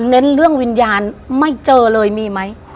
เน้นเรื่องวิญญาณไม่เจอเลยมีไหม